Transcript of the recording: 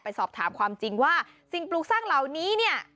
สอบถามความจริงว่าสิ่งปลูกสร้างเหล่านี้เนี่ย